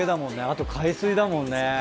あと海水だもんね。